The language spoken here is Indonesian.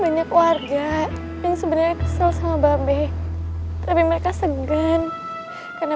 banyak warga yang sebenarnya kesel sama babi tapi mereka segan karena